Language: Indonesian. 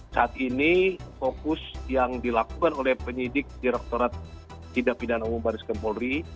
saat ini fokus yang dilakukan oleh penyidik direkturat tindak bidana umum barreskrim polri